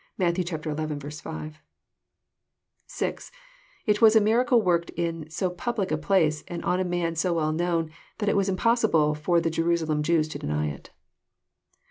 (Matt. xi. 5.) (6) It was a miracle worked in so public a place, and on a man eo well known, that it was impossible for the Jernsalem Jews to deny it.